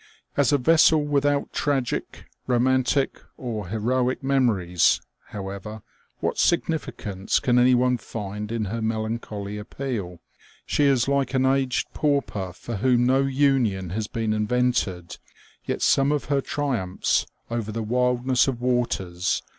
As a vessel without tragic, romantic, or heroic memories, however, what significance can any one find in her melancholy appeal ? She is like an aged pauper for whom no union has been invented ; yet some of her triumphs over the wildness of waters OLD SHIPS.